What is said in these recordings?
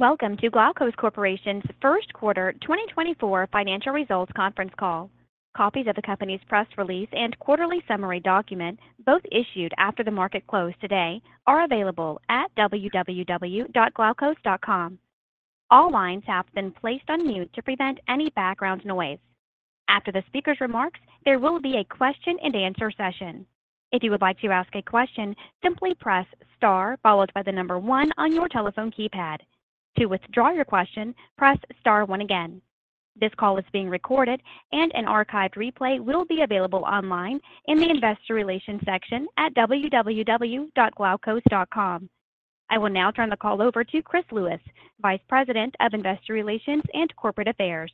Welcome to Glaukos Corporation's first quarter 2024 financial results conference call. Copies of the company's press release and quarterly summary document, both issued after the market closed today, are available at www.glaukos.com. All lines have been placed on mute to prevent any background noise. After the speaker's remarks, there will be a question-and-answer session. If you would like to ask a question, simply press star followed by the number one on your telephone keypad. To withdraw your question, press star one again. This call is being recorded, and an archived replay will be available online in the investor relations section at www.glaukos.com. I will now turn the call over to Chris Lewis, Vice President of Investor Relations and Corporate Affairs.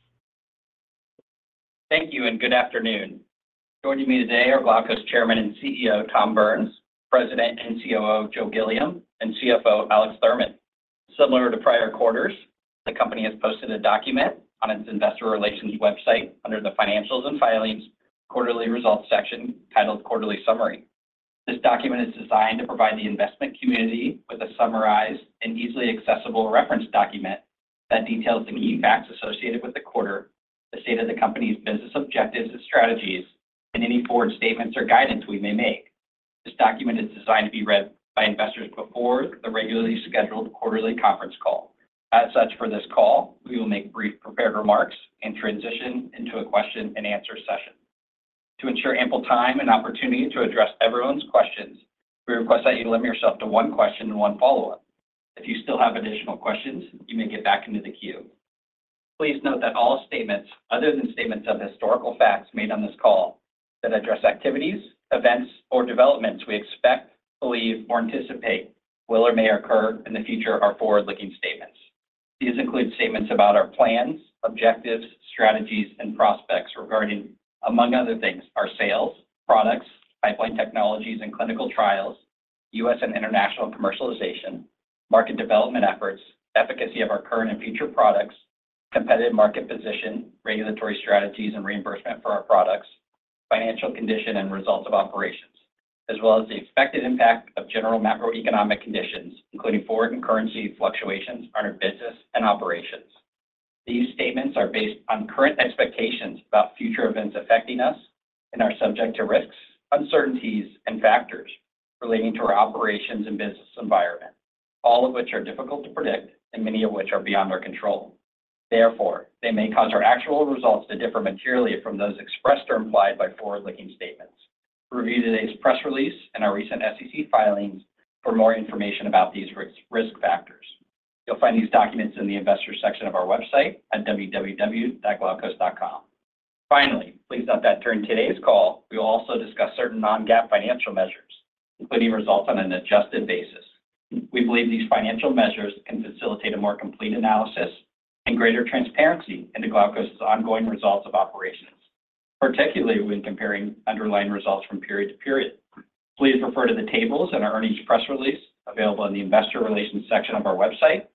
Thank you and good afternoon. Joining me today are Glaukos Chairman and CEO Tom Burns, President and COO Joe Gilliam, and CFO Alex Thurman. Similar to prior quarters, the company has posted a document on its investor relations website under the Financials and Filings Quarterly Results section titled Quarterly Summary. This document is designed to provide the investment community with a summarized and easily accessible reference document that details the key facts associated with the quarter, the state of the company's business objectives and strategies, and any forward statements or guidance we may make. This document is designed to be read by investors before the regularly scheduled quarterly conference call. As such, for this call, we will make brief prepared remarks and transition into a question-and-answer session. To ensure ample time and opportunity to address everyone's questions, we request that you limit yourself to one question and one follow-up. If you still have additional questions, you may get back into the queue. Please note that all statements other than statements of historical facts made on this call that address activities, events, or developments we expect, believe, or anticipate will or may occur in the future are forward-looking statements. These include statements about our plans, objectives, strategies, and prospects regarding, among other things, our sales, products, pipeline technologies, and clinical trials, U.S. and international commercialization, market development efforts, efficacy of our current and future products, competitive market position, regulatory strategies, and reimbursement for our products, financial condition and results of operations, as well as the expected impact of general macroeconomic conditions, including foreign currency fluctuations on our business and operations. These statements are based on current expectations about future events affecting us and are subject to risks, uncertainties, and factors relating to our operations and business environment, all of which are difficult to predict and many of which are beyond our control. Therefore, they may cause our actual results to differ materially from those expressed or implied by forward-looking statements. Review today's press release and our recent SEC filings for more information about these risk factors. You'll find these documents in the investors section of our website at www.glaukos.com. Finally, please note that during today's call, we will also discuss certain non-GAAP financial measures, including results on an adjusted basis. We believe these financial measures can facilitate a more complete analysis and greater transparency into Glaukos's ongoing results of operations, particularly when comparing underlying results from period to period. Please refer to the tables and our earnings press release available in the investor relations section of our website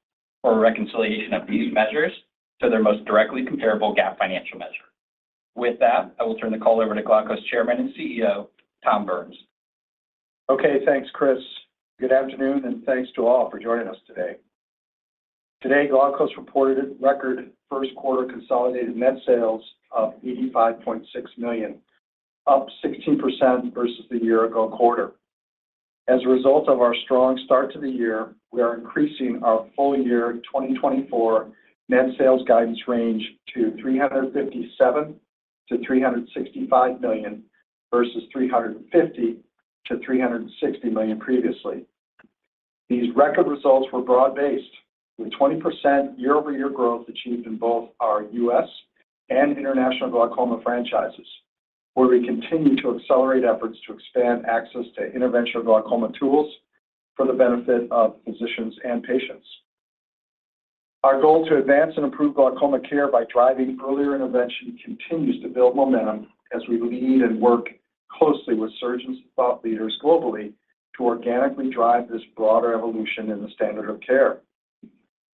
for a reconciliation of these measures to their most directly comparable GAAP financial measure. With that, I will turn the call over to Glaukos Chairman and CEO Tom Burns. Okay. Thanks, Chris. Good afternoon, and thanks to all for joining us today. Today, Glaukos reported record first quarter consolidated net sales of $85.6 million, up 16% versus the year-ago quarter. As a result of our strong start to the year, we are increasing our full-year 2024 net sales guidance range to $357 million-$365 million versus $350 million-$360 million previously. These record results were broad-based, with 20% year-over-year growth achieved in both our U.S. and international glaucoma franchises, where we continue to accelerate efforts to expand access to interventional glaucoma tools for the benefit of physicians and patients. Our goal to advance and improve glaucoma care by driving earlier intervention continues to build momentum as we lead and work closely with surgeons and thought leaders globally to organically drive this broader evolution in the standard of care.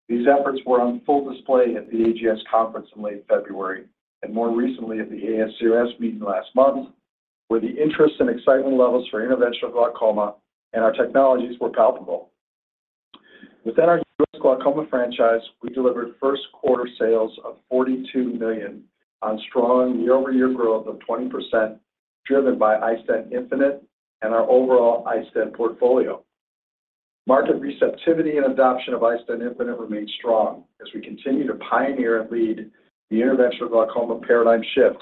These efforts were on full display at the AGS conference in late February and more recently at the ASCRS meeting last month, where the interest and excitement levels for interventional glaucoma and our technologies were palpable. Within our U.S. glaucoma franchise, we delivered first quarter sales of $42 million on strong year-over-year growth of 20% driven by iStent infinite and our overall iStent portfolio. Market receptivity and adoption of iStent infinite remained strong as we continue to pioneer and lead the interventional glaucoma paradigm shift.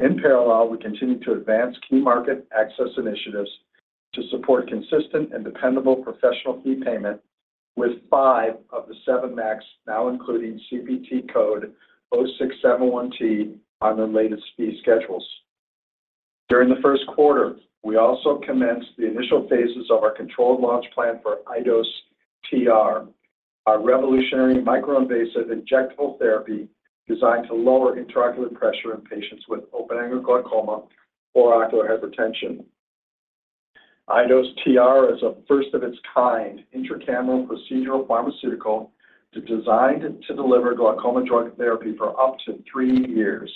In parallel, we continue to advance key market access initiatives to support consistent and dependable professional fee payment with five of the seven MACs, now including CPT code 0671T, on their latest fee schedules. During the first quarter, we also commenced the initial phases of our controlled launch plan for iDose TR, our revolutionary microinvasive injectable therapy designed to lower intraocular pressure in patients with open-angle glaucoma or ocular hypertension. iDose TR is a first-of-its-kind intracameral procedural pharmaceutical designed to deliver glaucoma drug therapy for up to three years.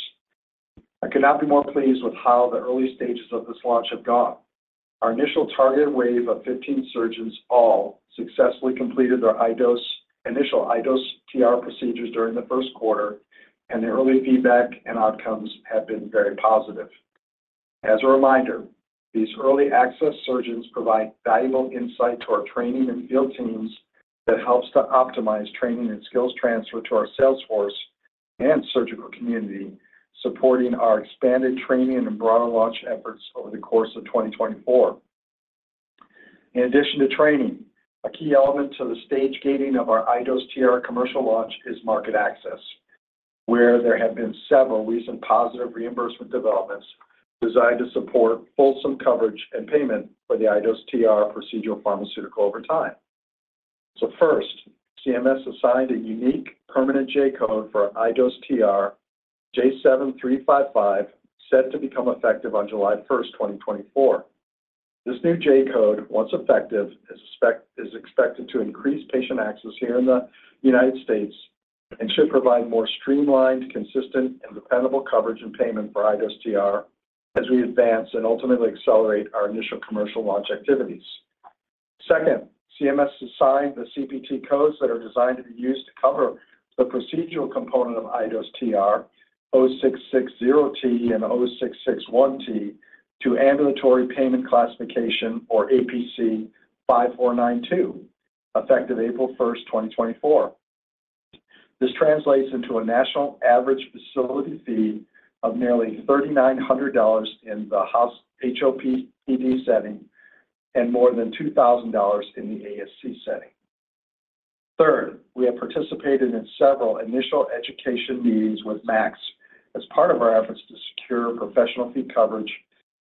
I could not be more pleased with how the early stages of this launch have gone. Our initial target wave of 15 surgeons all successfully completed their initial iDose TR procedures during the first quarter, and their early feedback and outcomes have been very positive. As a reminder, these early access surgeons provide valuable insight to our training and field teams that helps to optimize training and skills transfer to our salesforce and surgical community, supporting our expanded training and broader launch efforts over the course of 2024. In addition to training, a key element to the stage-gating of our iDose TR commercial launch is market access, where there have been several recent positive reimbursement developments designed to support fulsome coverage and payment for the iDose TR procedural pharmaceutical over time. So first, CMS assigned a unique permanent J-code for iDose TR, J7355, set to become effective on July 1st, 2024. This new J-code, once effective, is expected to increase patient access here in the United States and should provide more streamlined, consistent, and dependable coverage and payment for iDose TR as we advance and ultimately accelerate our initial commercial launch activities. Second, CMS assigned the CPT codes that are designed to be used to cover the procedural component of iDose TR, 0660T and 0661T, to Ambulatory Payment Classification, or APC 5492, effective April 1st, 2024. This translates into a national average facility fee of nearly $3,900 in the HOPD setting and more than $2,000 in the ASC setting. Third, we have participated in several initial education meetings with MACs as part of our efforts to secure professional fee coverage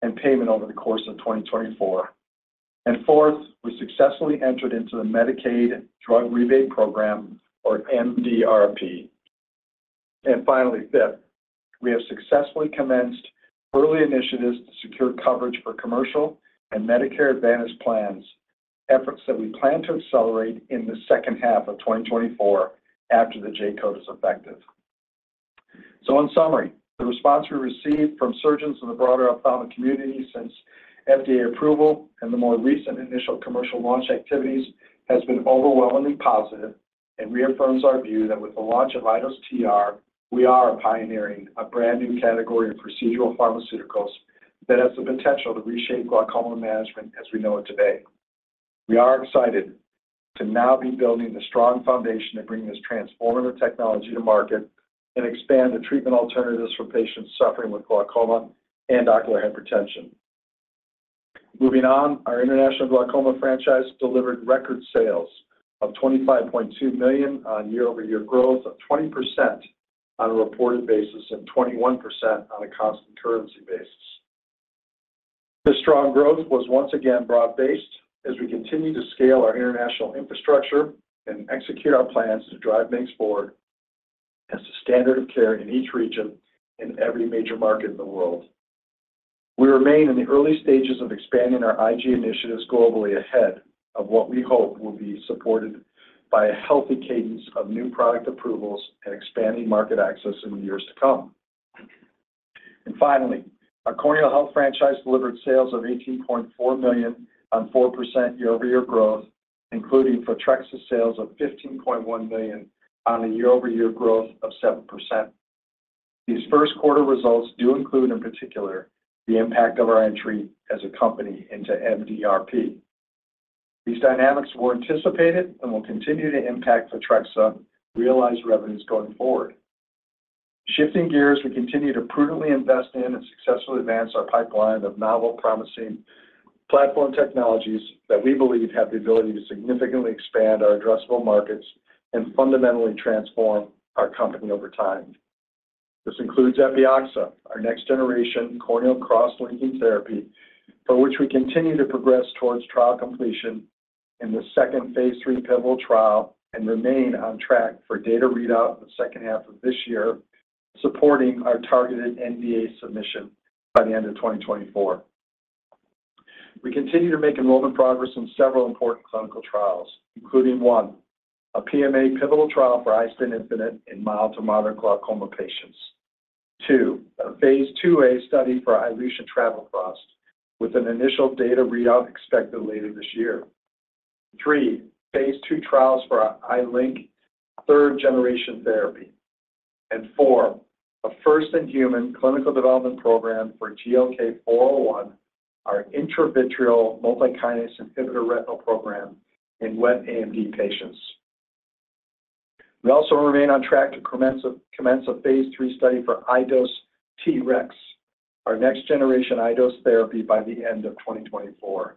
and payment over the course of 2024. Fourth, we successfully entered into the Medicaid Drug Rebate Program, or MDRP. Finally, fifth, we have successfully commenced early initiatives to secure coverage for commercial and Medicare Advantage plans, efforts that we plan to accelerate in the second half of 2024 after the J-code is effective. So in summary, the response we received from surgeons in the broader ophthalmic community since FDA approval and the more recent initial commercial launch activities has been overwhelmingly positive and reaffirms our view that with the launch of iDose TR, we are pioneering a brand new category of procedural pharmaceuticals that has the potential to reshape glaucoma management as we know it today. We are excited to now be building the strong foundation to bring this transformative technology to market and expand the treatment alternatives for patients suffering with glaucoma and ocular hypertension. Moving on, our international glaucoma franchise delivered record sales of $25.2 million on year-over-year growth of 20% on a reported basis and 21% on a constant currency basis. This strong growth was once again broad-based as we continue to scale our international infrastructure and execute our plans to drive MACs forward as the standard of care in each region and every major market in the world. We remain in the early stages of expanding our IG initiatives globally ahead of what we hope will be supported by a healthy cadence of new product approvals and expanding market access in the years to come. And finally, our corneal health franchise delivered sales of $18.4 million on 4% year-over-year growth, including Photrexa sales of $15.1 million on a year-over-year growth of 7%. These first quarter results do include, in particular, the impact of our entry as a company into MDRP. These dynamics were anticipated and will continue to impact Photrexa realized revenues going forward. Shifting gears, we continue to prudently invest in and successfully advance our pipeline of novel, promising platform technologies that we believe have the ability to significantly expand our addressable markets and fundamentally transform our company over time. This includes Epioxa, our next-generation corneal cross-linking therapy, for which we continue to progress towards trial completion in the second phase III pivotal trial and remain on track for data readout in the second half of this year, supporting our targeted NDA submission by the end of 2024. We continue to make enrollment progress in several important clinical trials, including one, a PMA pivotal trial for iStent infinite in mild to moderate glaucoma patients, two, a phase II-A study for iLution Travoprost with an initial data readout expected later this year, three, phase II trials for iLink Third-Generation Therapy, and four, a first-in-human clinical development program for GLK-401, our intravitreal multi-kinase inhibitor retinal program in wet AMD patients. We also remain on track to commence a phase III study for iDose TREX, our next generation iDose therapy by the end of 2024.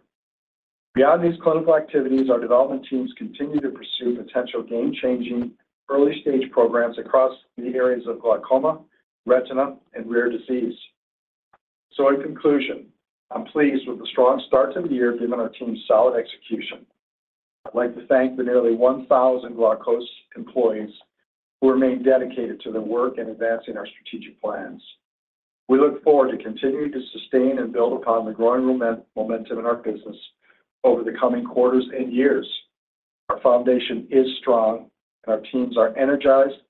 Beyond these clinical activities, our development teams continue to pursue potential game-changing early-stage programs across the areas of glaucoma, retina, and rare disease. So in conclusion, I'm pleased with the strong start to the year given our team's solid execution. I'd like to thank the nearly 1,000 Glaukos employees who remain dedicated to their work in advancing our strategic plans. We look forward to continuing to sustain and build upon the growing momentum in our business over the coming quarters and years. Our foundation is strong, and our teams are energized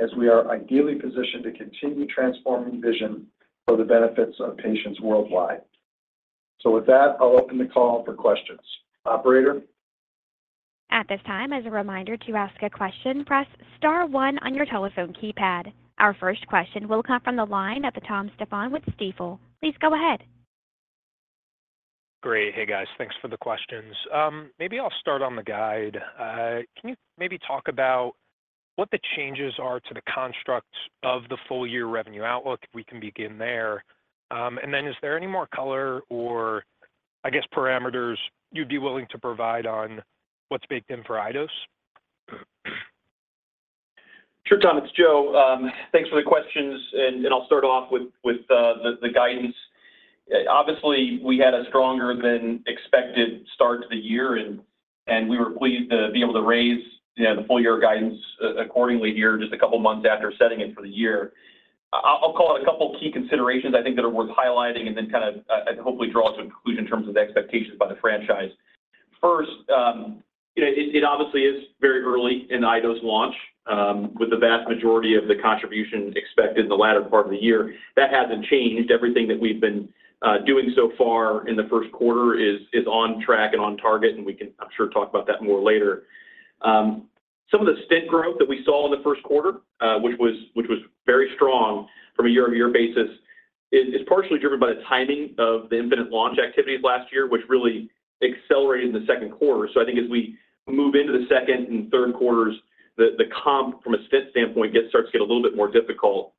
as we are ideally positioned to continue transforming vision for the benefits of patients worldwide. With that, I'll open the call for questions. Operator? At this time, as a reminder, to ask a question, press star one on your telephone keypad. Our first question will come from the line at the Tom Stephan with Stifel. Please go ahead. Great. Hey, guys. Thanks for the questions. Maybe I'll start on the guide. Can you maybe talk about what the changes are to the construct of the full-year revenue outlook? If we can begin there. And then is there any more color or, I guess, parameters you'd be willing to provide on what's baked in for iDose? Sure, Tom. It's Joe. Thanks for the questions, and I'll start off with the guidance. Obviously, we had a stronger than expected start to the year, and we were pleased to be able to raise the full-year guidance accordingly here just a couple of months after setting it for the year. I'll call it a couple of key considerations, I think, that are worth highlighting and then kind of hopefully draw to a conclusion in terms of the expectations by the franchise. First, it obviously is very early in iDose launch with the vast majority of the contribution expected in the latter part of the year. That hasn't changed. Everything that we've been doing so far in the first quarter is on track and on target, and we can, I'm sure, talk about that more later. Some of the iStent growth that we saw in the first quarter, which was very strong from a year-over-year basis, is partially driven by the timing of the iStent infinite launch activities last year, which really accelerated in the second quarter. So I think as we move into the second and third quarters, the comp from an iStent standpoint starts to get a little bit more difficult.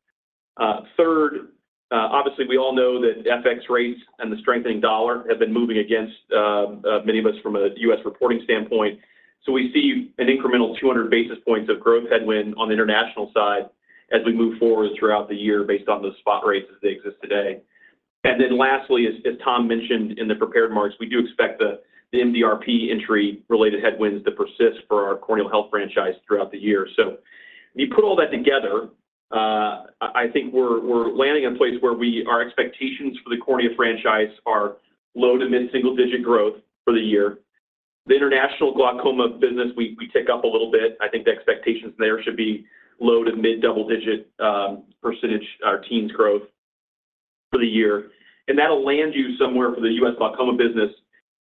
Third, obviously, we all know that FX rates and the strengthening dollar have been moving against many of us from a U.S. reporting standpoint. So we see an incremental 200 basis points of growth headwind on the international side as we move forward throughout the year based on those spot rates as they exist today. And then lastly, as Tom mentioned in the prepared remarks, we do expect the MDRP entry-related headwinds to persist for our corneal health franchise throughout the year. So when you put all that together, I think we're landing in a place where our expectations for the cornea franchise are low to mid-single-digit growth for the year. The international glaucoma business, we tick up a little bit. I think the expectations there should be low to mid-double-digit percentage or teens growth for the year. And that'll land you somewhere for the U.S. glaucoma business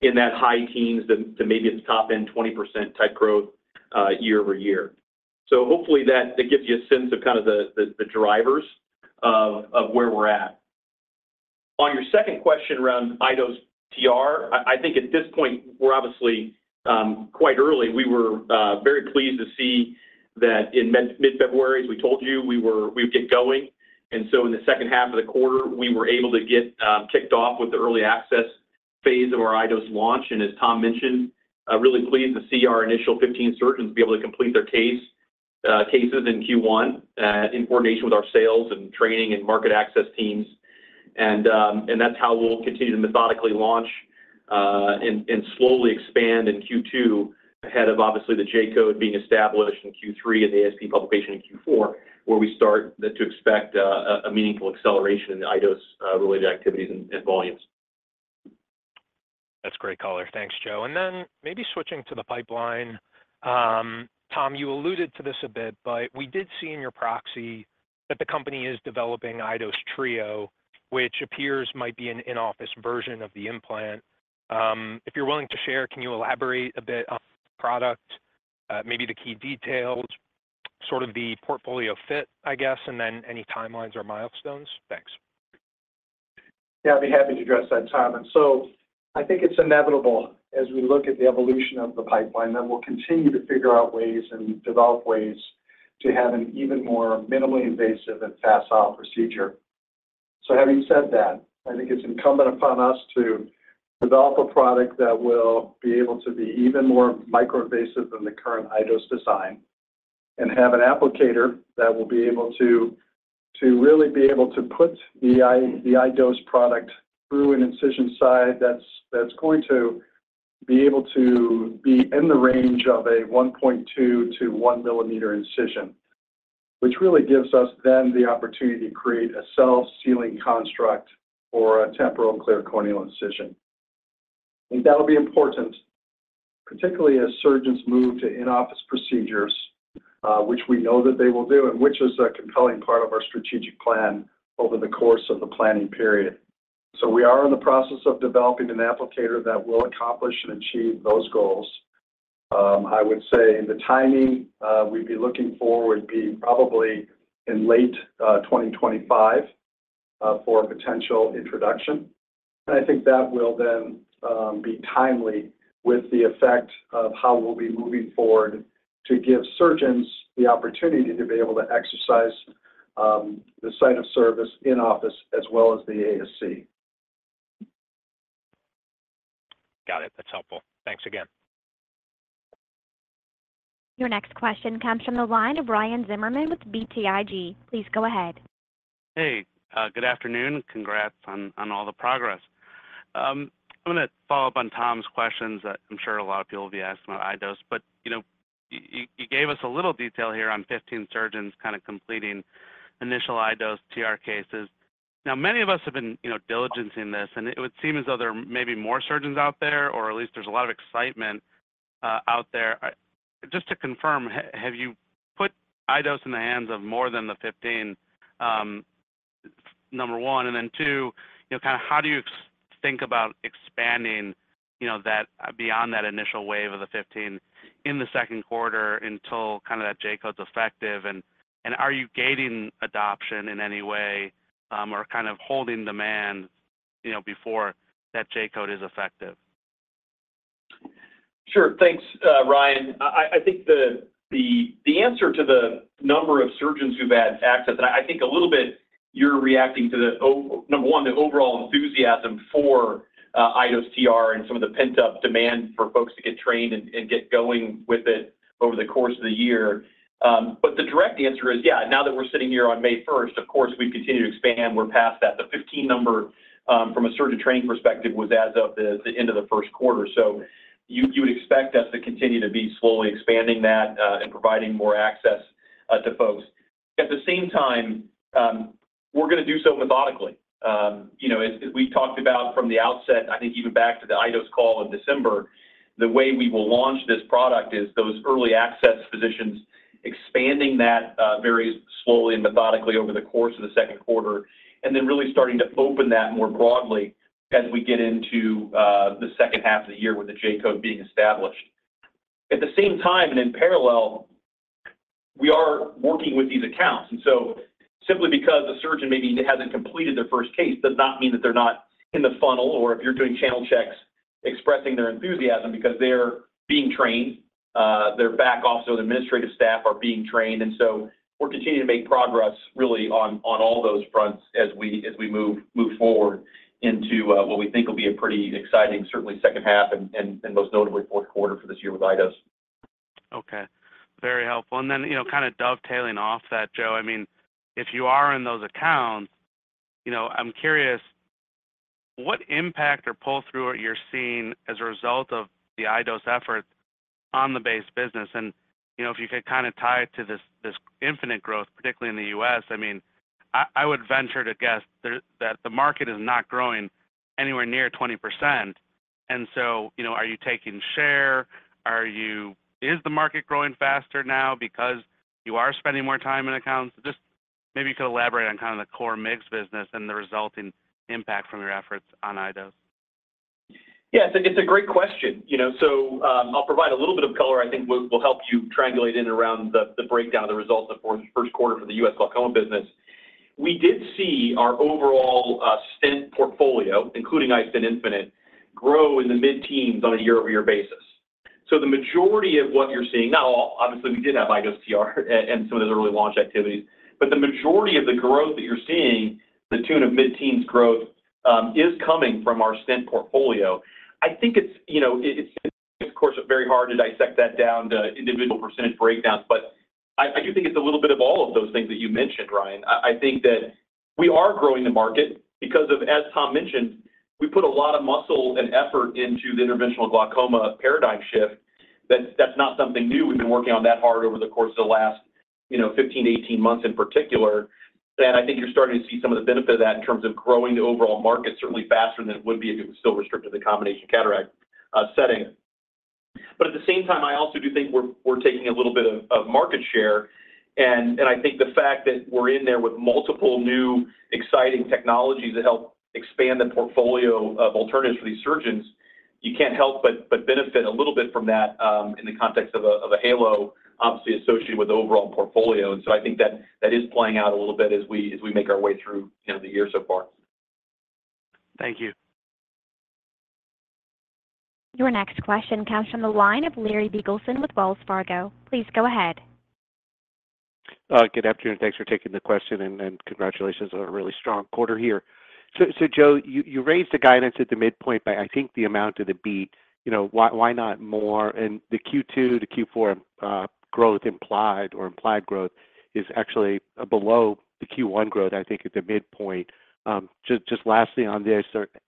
in that high teens to maybe at the top end 20% type growth year-over-year. So hopefully, that gives you a sense of kind of the drivers of where we're at. On your second question around iDose TR, I think at this point, we're obviously quite early. We were very pleased to see that in mid-February, as we told you, we would get going. So in the second half of the quarter, we were able to get kicked off with the early access phase of our iDose launch. As Tom mentioned, really pleased to see our initial 15 surgeons be able to complete their cases in Q1 in coordination with our sales and training and market access teams. That's how we'll continue to methodically launch and slowly expand in Q2 ahead of, obviously, the J-code being established in Q3 and the ASP publication in Q4, where we start to expect a meaningful acceleration in the iDose-related activities and volumes. That's a great caller. Thanks, Joe. Then maybe switching to the pipeline. Tom, you alluded to this a bit, but we did see in your proxy that the company is developing iDose trio, which appears might be an in-office version of the implant. If you're willing to share, can you elaborate a bit on the product, maybe the key details, sort of the portfolio fit, I guess, and then any timelines or milestones? Thanks. Yeah, I'd be happy to address that, Tom. And so I think it's inevitable as we look at the evolution of the pipeline that we'll continue to figure out ways and develop ways to have an even more minimally invasive and facile procedure. So having said that, I think it's incumbent upon us to develop a product that will be able to be even more micro-invasive than the current iDose design and have an applicator that will be able to really be able to put the iDose product through an incision site that's going to be able to be in the range of a 1.2 mm-1 mm incision, which really gives us then the opportunity to create a self-sealing construct for a temporal clear corneal incision. I think that'll be important, particularly as surgeons move to in-office procedures, which we know that they will do and which is a compelling part of our strategic plan over the course of the planning period. So we are in the process of developing an applicator that will accomplish and achieve those goals. I would say the timing we'd be looking for would be probably in late 2025 for potential introduction. And I think that will then be timely with the effect of how we'll be moving forward to give surgeons the opportunity to be able to exercise the site of service in-office as well as the ASC. Got it. That's helpful. Thanks again. Your next question comes from the line of Ryan Zimmerman with BTIG. Please go ahead. Hey. Good afternoon. Congrats on all the progress. I'm going to follow up on Tom's questions that I'm sure a lot of people will be asking about iDose, but you gave us a little detail here on 15 surgeons kind of completing initial iDose TR cases. Now, many of us have been diligencing this, and it would seem as though there are maybe more surgeons out there, or at least there's a lot of excitement out there. Just to confirm, have you put iDose in the hands of more than the 15, number one? And then two, kind of how do you think about expanding beyond that initial wave of the 15 in the second quarter until kind of that J-code's effective? And are you gating adoption in any way or kind of holding demand before that J-code is effective? Sure. Thanks, Ryan. I think the answer to the number of surgeons who've had access, and I think a little bit you're reacting to the, number one, the overall enthusiasm for iDose TR and some of the pent-up demand for folks to get trained and get going with it over the course of the year. But the direct answer is, yeah, now that we're sitting here on May 1st, of course, we continue to expand. We're past that. The 15 number from a surgeon training perspective was as of the end of the first quarter. So you would expect us to continue to be slowly expanding that and providing more access to folks. At the same time, we're going to do so methodically. As we talked about from the outset, I think even back to the iDose call in December, the way we will launch this product is those early access physicians expanding that very slowly and methodically over the course of the second quarter and then really starting to open that more broadly as we get into the second half of the year with the J-code being established. At the same time and in parallel, we are working with these accounts. And so simply because a surgeon maybe hasn't completed their first case does not mean that they're not in the funnel or if you're doing channel checks expressing their enthusiasm because they're being trained. Their back office, their administrative staff are being trained. And so we're continuing to make progress really on all those fronts as we move forward into what we think will be a pretty exciting, certainly second half and most notably fourth quarter for this year with iDose. Okay. Very helpful. And then kind of dovetailing off that, Joe, I mean, if you are in those accounts, I'm curious, what impact or pull-through are you seeing as a result of the iDose efforts on the base business? And if you could kind of tie it to this iStent infinite growth, particularly in the U.S., I mean, I would venture to guess that the market is not growing anywhere near 20%. And so are you taking share? Is the market growing faster now because you are spending more time in accounts? Just maybe you could elaborate on kind of the core MIGS business and the resulting impact from your efforts on iDose. Yeah. It's a great question. So I'll provide a little bit of color I think will help you triangulate in around the breakdown of the results of the first quarter for the US glaucoma business. We did see our overall iStent portfolio, including iStent infinite, grow in the mid-teens on a year-over-year basis. So the majority of what you're seeing not all. Obviously, we did have iDose TR and some of those early launch activities. But the majority of the growth that you're seeing, the tune of mid-teens growth, is coming from our iStent portfolio. I think it's of course very hard to dissect that down to individual percentage breakdowns. But I do think it's a little bit of all of those things that you mentioned, Ryan. I think that we are growing the market because of, as Tom mentioned, we put a lot of muscle and effort into the interventional glaucoma paradigm shift. That's not something new. We've been working on that hard over the course of the last 15, 18 months in particular. And I think you're starting to see some of the benefit of that in terms of growing the overall market certainly faster than it would be if it was still restricted to the combination cataract setting. But at the same time, I also do think we're taking a little bit of market share. And I think the fact that we're in there with multiple new exciting technologies that help expand the portfolio of alternatives for these surgeons, you can't help but benefit a little bit from that in the context of a halo, obviously, associated with the overall portfolio. I think that is playing out a little bit as we make our way through the year so far. Thank you. Your next question comes from the line of Larry Biegelsen with Wells Fargo. Please go ahead. Good afternoon. Thanks for taking the question, and congratulations. A really strong quarter here. So Joe, you raised the guidance at the midpoint by, I think, the amount of the beat. Why not more? And the Q2, the Q4 growth implied or implied growth is actually below the Q1 growth, I think, at the midpoint. Just lastly on this,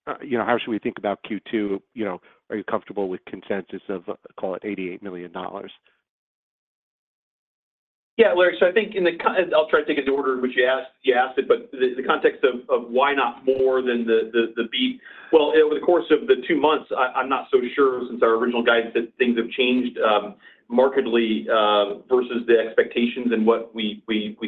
how should we think about Q2? Are you comfortable with consensus of, call it, $88 million? Yeah, Larry. So I think in the, I'll try to take it in the order in which you asked it. But the context of why not more than the beat—well, over the course of the two months, I'm not so sure since our original guidance that things have changed markedly versus the expectations and what we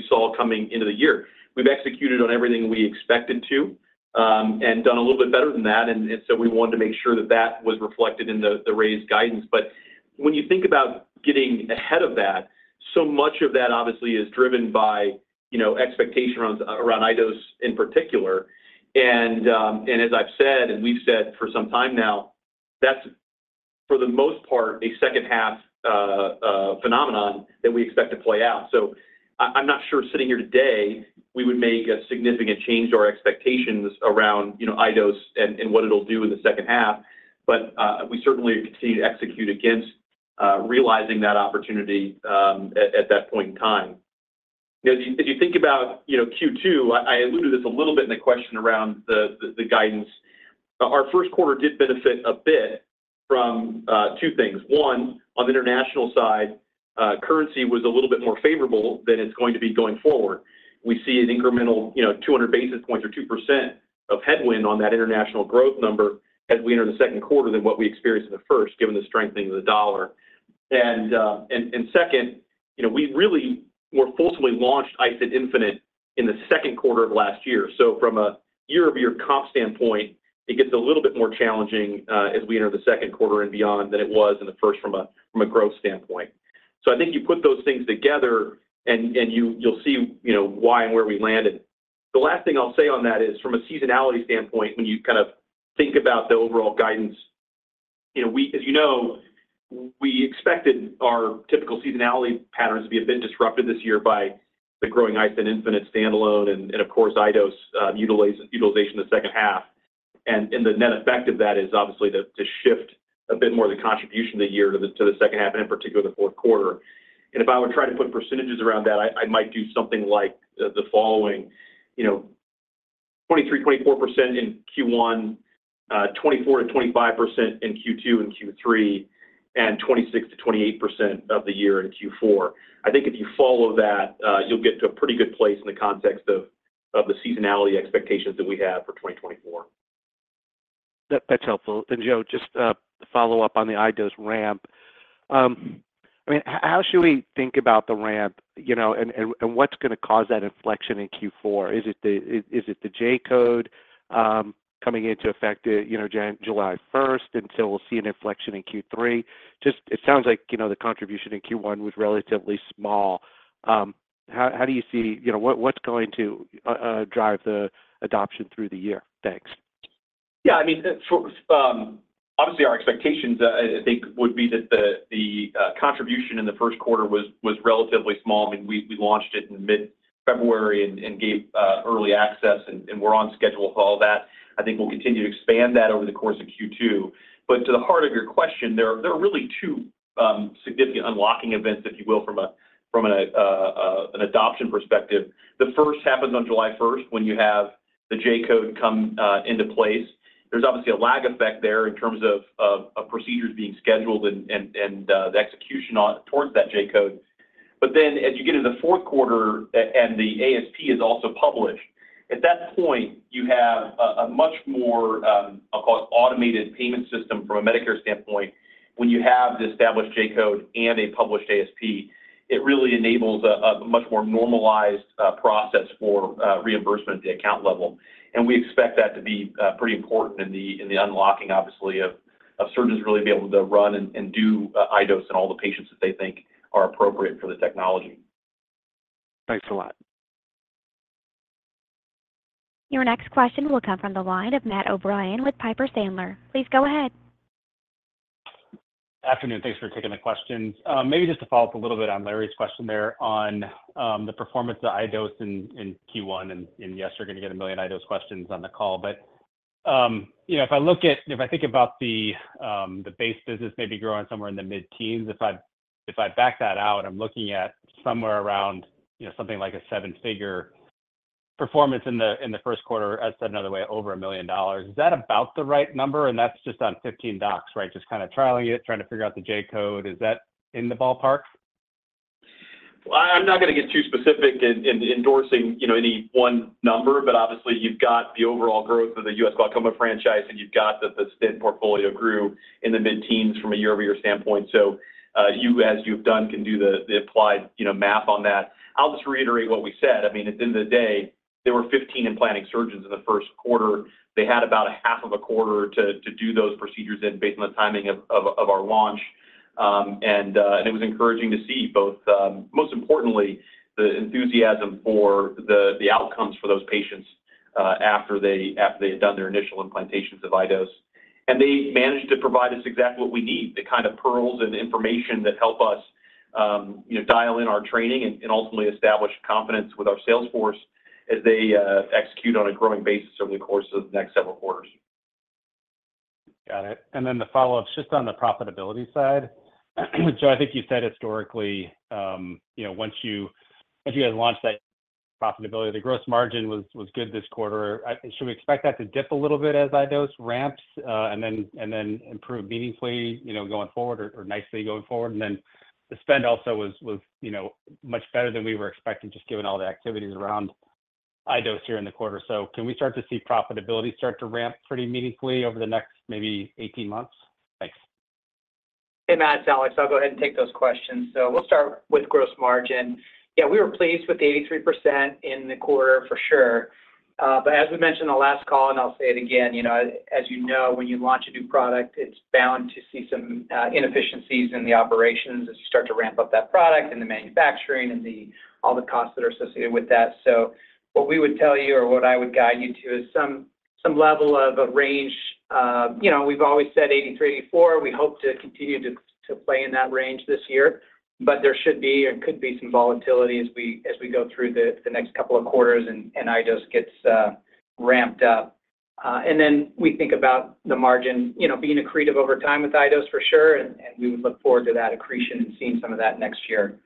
saw coming into the year. We've executed on everything we expected to and done a little bit better than that. And so we wanted to make sure that that was reflected in the raised guidance. But when you think about getting ahead of that, so much of that, obviously, is driven by expectation around iDose in particular. And as I've said and we've said for some time now, that's for the most part a second-half phenomenon that we expect to play out. So I'm not sure sitting here today, we would make a significant change to our expectations around iDose and what it'll do in the second half. But we certainly continue to execute against realizing that opportunity at that point in time. As you think about Q2, I alluded to this a little bit in the question around the guidance. Our first quarter did benefit a bit from two things. One, on the international side, currency was a little bit more favorable than it's going to be going forward. We see an incremental 200 basis points or 2% of headwind on that international growth number as we enter the second quarter than what we experienced in the first given the strengthening of the U.S. dollar. And second, we really more fulsomely launched iStent infinite in the second quarter of last year. So from a year-over-year comp standpoint, it gets a little bit more challenging as we enter the second quarter and beyond than it was in the first from a growth standpoint. So I think you put those things together, and you'll see why and where we landed. The last thing I'll say on that is from a seasonality standpoint, when you kind of think about the overall guidance as you know, we expected our typical seasonality patterns to be a bit disrupted this year by the growing iStent infinite standalone and, of course, iDose utilization in the second half. And the net effect of that is, obviously, to shift a bit more the contribution of the year to the second half and in particular the fourth quarter. If I were to try to put percentages around that, I might do something like the following: 23%-24% in Q1, 24%-25% in Q2 and Q3, and 26%-28% of the year in Q4. I think if you follow that, you'll get to a pretty good place in the context of the seasonality expectations that we have for 2024. That's helpful. Joe, just a follow-up on the iDose ramp. I mean, how should we think about the ramp, and what's going to cause that inflection in Q4? Is it the J-code coming into effect July 1st until we'll see an inflection in Q3? It sounds like the contribution in Q1 was relatively small. How do you see what's going to drive the adoption through the year? Thanks. Yeah. I mean, obviously, our expectations, I think, would be that the contribution in the first quarter was relatively small. I mean, we launched it in mid-February and gave early access, and we're on schedule for all that. I think we'll continue to expand that over the course of Q2. But to the heart of your question, there are really two significant unlocking events, if you will, from an adoption perspective. The first happens on July 1st when you have the J-code come into place. There's obviously a lag effect there in terms of procedures being scheduled and the execution towards that J-code. But then as you get into the fourth quarter and the ASP is also published, at that point, you have a much more, I'll call it, automated payment system from a Medicare standpoint. When you have the established J-code and a published ASP, it really enables a much more normalized process for reimbursement at the account level. We expect that to be pretty important in the unlocking, obviously, of surgeons really being able to run and do iDose in all the patients that they think are appropriate for the technology. Thanks a lot. Your next question will come from the line of Matt O'Brien with Piper Sandler. Please go ahead. Afternoon. Thanks for taking the questions. Maybe just to follow up a little bit on Larry's question there on the performance of iDose in Q1. And yes, you're going to get a million iDose questions on the call. But if I look at if I think about the base business maybe growing somewhere in the mid-teens, if I back that out, I'm looking at somewhere around something like a seven-figure performance in the first quarter, as said another way, over $1 million. Is that about the right number? And that's just on 15 docs, right? Just kind of trialing it, trying to figure out the J-code. Is that in the ballpark? Well, I'm not going to get too specific in endorsing any one number. But obviously, you've got the overall growth of the U.S. glaucoma franchise, and you've got that the iStent portfolio grew in the mid-teens from a year-over-year standpoint. So you, as you've done, can do the applied math on that. I'll just reiterate what we said. I mean, at the end of the day, there were 15 in-planning surgeons in the first quarter. They had about half of a quarter to do those procedures in, based on the timing of our launch. And it was encouraging to see both, most importantly, the enthusiasm for the outcomes for those patients after they had done their initial implantations of iDose. They managed to provide us exactly what we need, the kind of pearls and information that help us dial in our training and ultimately establish confidence with our sales force as they execute on a growing basis over the course of the next several quarters. Got it. And then the follow-ups just on the profitability side. Joe, I think you said historically, once you guys launched that profitability, the gross margin was good this quarter. Should we expect that to dip a little bit as iDose ramps and then improve meaningfully going forward or nicely going forward? And then the spend also was much better than we were expecting just given all the activities around iDose here in the quarter. So can we start to see profitability start to ramp pretty meaningfully over the next maybe 18 months? Thanks. Hey, Matt, Alex. I'll go ahead and take those questions. So we'll start with gross margin. Yeah, we were pleased with the 83% in the quarter, for sure. But as we mentioned on the last call, and I'll say it again, as you know, when you launch a new product, it's bound to see some inefficiencies in the operations as you start to ramp up that product and the manufacturing and all the costs that are associated with that. So what we would tell you or what I would guide you to is some level of a range. We've always said 83%-84%. We hope to continue to play in that range this year. But there should be and could be some volatility as we go through the next couple of quarters and iDose gets ramped up. Then we think about the margin being accretive over time with iDose, for sure. And we would look forward to that accretion and seeing some of that next year.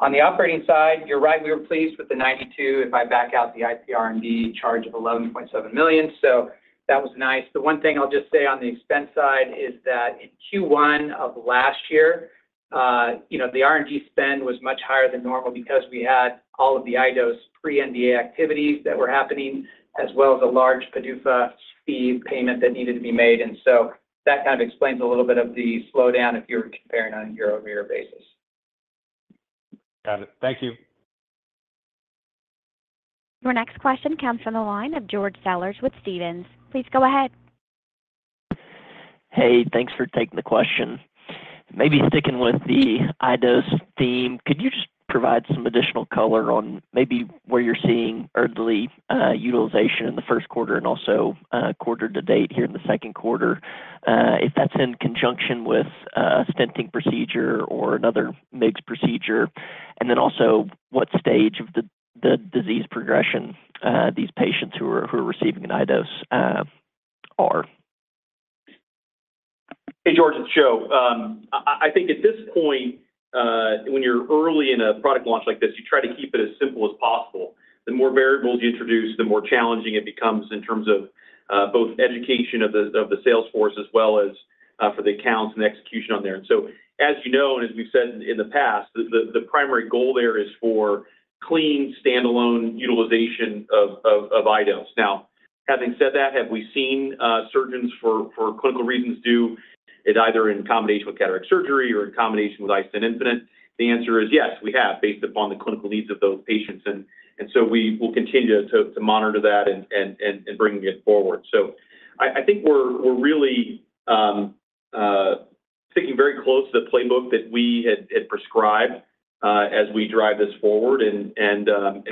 On the operating side, you're right. We were pleased with the 92% if I back out the IPR&D charge of $11.7 million. So that was nice. The one thing I'll just say on the expense side is that in Q1 of last year, the R&D spend was much higher than normal because we had all of the iDose pre-NDA activities that were happening as well as a large PDUFA fee payment that needed to be made. And so that kind of explains a little bit of the slowdown if you were comparing on a year-over-year basis. Got it. Thank you. Your next question comes from the line of George Sellers with Stephens. Please go ahead. Hey, thanks for taking the question. Maybe sticking with the iDose theme, could you just provide some additional color on maybe where you're seeing early utilization in the first quarter and also quarter to date here in the second quarter? If that's in conjunction with a stenting procedure or another MIGS procedure, and then also what stage of the disease progression these patients who are receiving an iDose are? Hey, George. It's Joe. I think at this point, when you're early in a product launch like this, you try to keep it as simple as possible. The more variables you introduce, the more challenging it becomes in terms of both education of the sales force as well as for the accounts and the execution on there. And so as you know, and as we've said in the past, the primary goal there is for clean standalone utilization of iDose. Now, having said that, have we seen surgeons for clinical reasons do it either in combination with cataract surgery or in combination with iStent infinite? The answer is yes, we have based upon the clinical needs of those patients. And so we will continue to monitor that and bring it forward. So I think we're really sticking very close to the playbook that we had prescribed as we drive this forward. And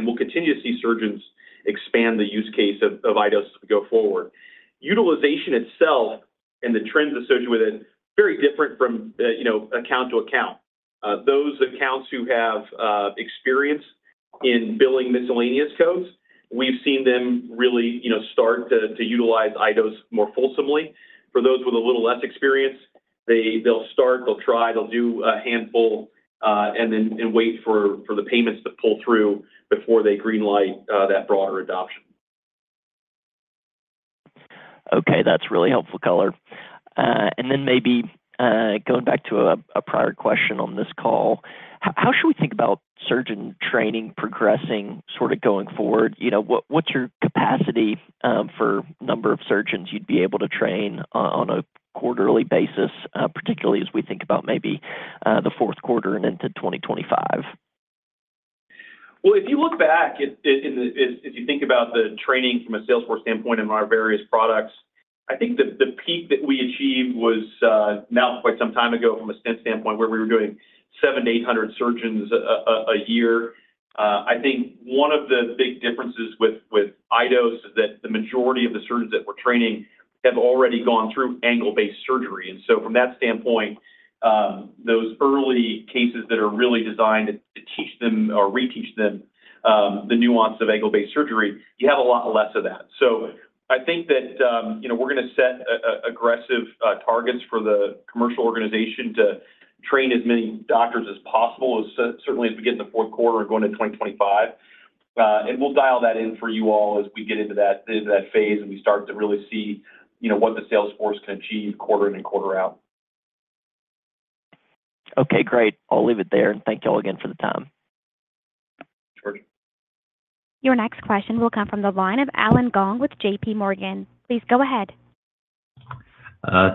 we'll continue to see surgeons expand the use case of iDose as we go forward. Utilization itself and the trends associated with it, very different from account to account. Those accounts who have experience in billing miscellaneous codes, we've seen them really start to utilize iDose more fulsomely. For those with a little less experience, they'll start, they'll try, they'll do a handful, and then wait for the payments to pull through before they greenlight that broader adoption. Okay. That's really helpful color. Then maybe going back to a prior question on this call, how should we think about surgeon training progressing sort of going forward? What's your capacity for number of surgeons you'd be able to train on a quarterly basis, particularly as we think about maybe the fourth quarter and into 2025? Well, if you look back, as you think about the training from a sales force standpoint and our various products, I think the peak that we achieved was now quite some time ago from a stent standpoint where we were doing 700-800 surgeons a year. I think one of the big differences with iDose is that the majority of the surgeons that we're training have already gone through angle-based surgery. And so from that standpoint, those early cases that are really designed to teach them or reteach them the nuance of angle-based surgery, you have a lot less of that. So I think that we're going to set aggressive targets for the commercial organization to train as many doctors as possible, certainly as we get in the fourth quarter and going into 2025. We'll dial that in for you all as we get into that phase and we start to really see what the sales force can achieve quarter in and quarter out. Okay. Great. I'll leave it there. Thank you all again for the time. George. Your next question will come from the line of Allen Gong with JPMorgan. Please go ahead.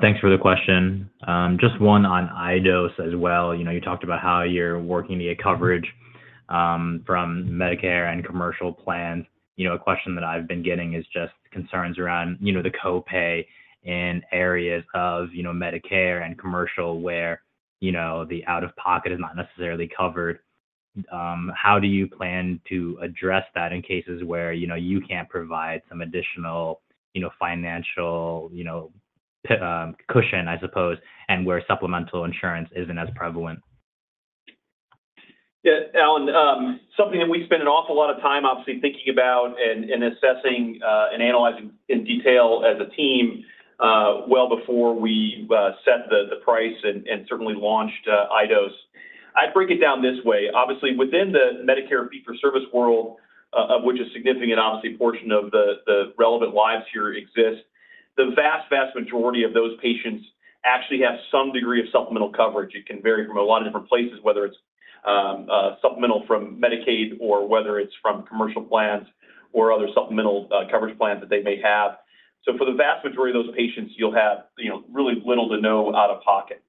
Thanks for the question. Just one on iDose as well. You talked about how you're working to get coverage from Medicare and commercial plans. A question that I've been getting is just concerns around the copay in areas of Medicare and commercial where the out-of-pocket is not necessarily covered. How do you plan to address that in cases where you can't provide some additional financial cushion, I suppose, and where supplemental insurance isn't as prevalent? Yeah, Allen. Something that we spend an awful lot of time, obviously, thinking about and assessing and analyzing in detail as a team well before we set the price and certainly launched iDose. I'd break it down this way. Obviously, within the Medicare fee-for-service world, of which a significant, obviously, portion of the relevant lives here exist, the vast, vast majority of those patients actually have some degree of supplemental coverage. It can vary from a lot of different places, whether it's supplemental from Medicaid or whether it's from commercial plans or other supplemental coverage plans that they may have. So for the vast majority of those patients, you'll have really little to no out-of-pocket.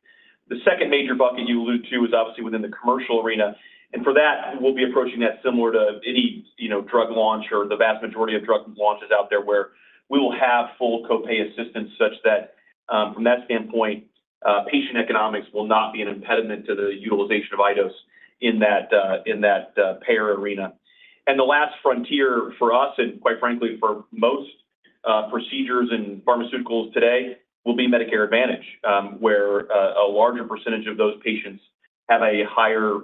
The second major bucket you allude to is obviously within the commercial arena. For that, we'll be approaching that similar to any drug launch or the vast majority of drug launches out there where we will have full copay assistance such that from that standpoint, patient economics will not be an impediment to the utilization of iDose in that payer arena. The last frontier for us and quite frankly, for most procedures and pharmaceuticals today will be Medicare Advantage, where a larger percentage of those patients have a higher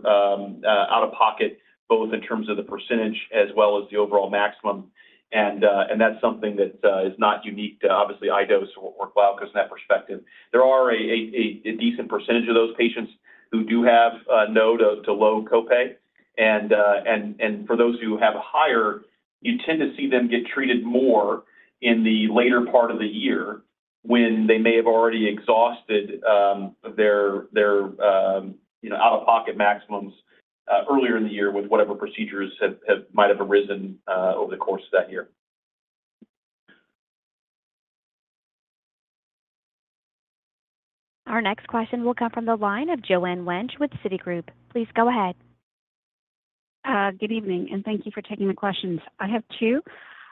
out-of-pocket both in terms of the percentage as well as the overall maximum. That's something that is not unique, obviously, iDose or Glaukos in that perspective. There are a decent percentage of those patients who do have no to low copay. For those who have higher, you tend to see them get treated more in the later part of the year when they may have already exhausted their out-of-pocket maximums earlier in the year with whatever procedures might have arisen over the course of that year. Our next question will come from the line of Joanne Wuensch with Citigroup. Please go ahead. Good evening. Thank you for taking the questions. I have two.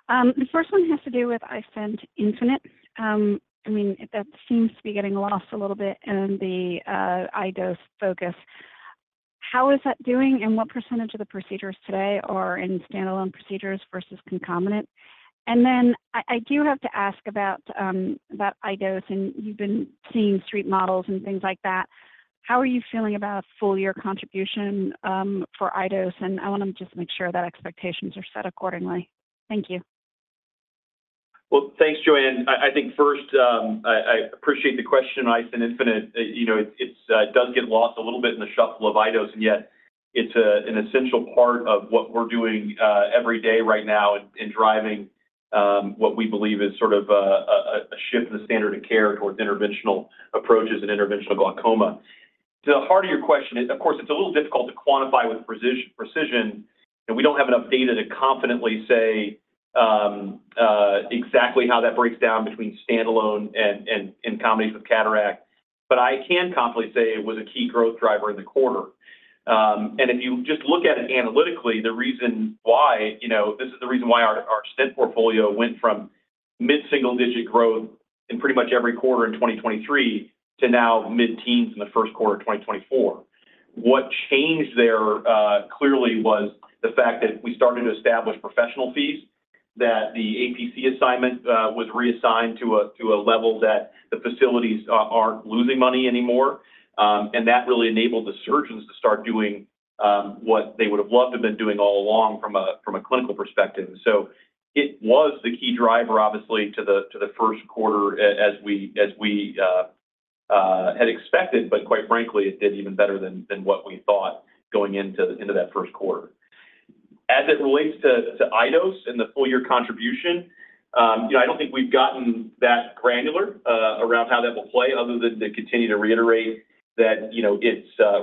The first one has to do with iStent infinite. I mean, that seems to be getting lost a little bit in the iDose focus. How is that doing, and what percentage of the procedures today are in standalone procedures versus concomitant? And then I do have to ask about iDose. And you've been seeing street models and things like that. How are you feeling about a full-year contribution for iDose? And I want to just make sure that expectations are set accordingly. Thank you. Well, thanks, Joanne. I think first, I appreciate the question on iStent infinite. It does get lost a little bit in the shuffle of iDose. And yet, it's an essential part of what we're doing every day right now in driving what we believe is sort of a shift in the standard of care towards interventional approaches and interventional glaucoma. To the heart of your question, of course, it's a little difficult to quantify with precision. And we don't have enough data to confidently say exactly how that breaks down between standalone and in combination with cataract. But I can confidently say it was a key growth driver in the quarter. And if you just look at it analytically, the reason why this is the reason why our stent portfolio went from mid-single-digit growth in pretty much every quarter in 2023 to now mid-teens in the first quarter of 2024. What changed there clearly was the fact that we started to establish professional fees, that the APC assignment was reassigned to a level that the facilities aren't losing money anymore. And that really enabled the surgeons to start doing what they would have loved to have been doing all along from a clinical perspective. So it was the key driver, obviously, to the first quarter as we had expected. But quite frankly, it did even better than what we thought going into that first quarter. As it relates to iDose and the full-year contribution, I don't think we've gotten that granular around how that will play other than to continue to reiterate that